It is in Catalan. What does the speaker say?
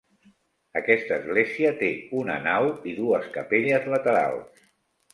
Aquesta església té una nau i dues capelles laterals.